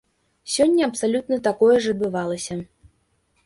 Сёння абсалютна такое ж адбывалася.